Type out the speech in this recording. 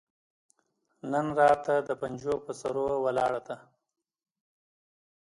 نن راته د پنجو پهٔ سرو ولاړه ده